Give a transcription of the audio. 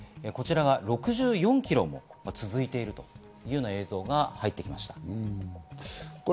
こちらが６４キロも続いているという映像が入ってきました。